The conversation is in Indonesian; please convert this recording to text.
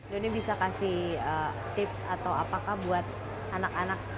doni bisa kasih tips atau apakah buat anak anak